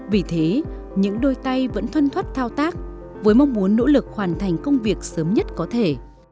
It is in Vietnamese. vì thế những đôi tay vẫn thuân thoát thao tác với mong muốn nỗ lực hoàn thành công việc sớm nhất có thể